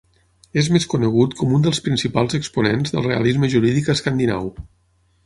És més conegut com un dels principals exponents del realisme jurídic escandinau.